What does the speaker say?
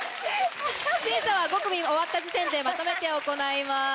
審査は５組終わった時点でまとめて行います。